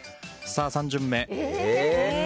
３巡目。